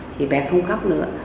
thì bé không khóc nữa